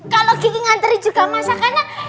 kalau kiki nganterin juga masakannya